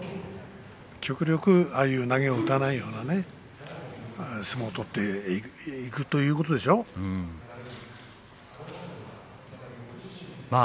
極力、ああいう投げを打たないようなね相撲を取っていくということでしょうね。